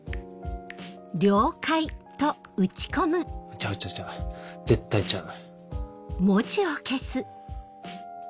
ちゃうちゃうちゃう絶対ちゃう。